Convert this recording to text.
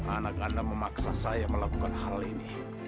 anak anda memaksa saya melakukan hal ini